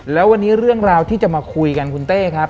แล้ววันนี้เรื่องราวที่จะมาคุยกันคุณเต้ครับ